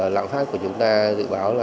lạng phát của chúng ta dự báo